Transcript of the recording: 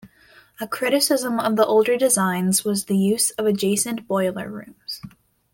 A criticism of the older designs was the use of adjacent boiler rooms.